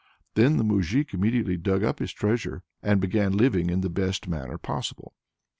Then the moujik immediately dug up his treasure and began living in the best manner possible."